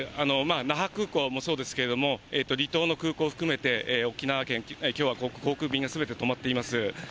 那覇空港もそうですけれども、離島の空港含めて、沖縄県、きょうは航空便がすべて止まっています。